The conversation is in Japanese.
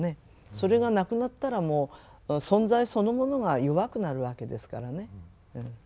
それがなくなったらもう存在そのものが弱くなるわけですからね。